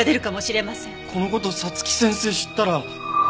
この事早月先生知ったら。